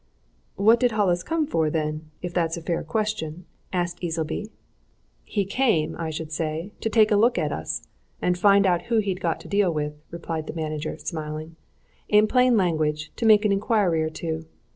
"What did Hollis come for, then, if that's a fair question?" asked Easleby. "He came, I should say, to take a look at us, and find out who he'd got to deal with," replied the manager, smiling. "In plain language, to make an inquiry or two.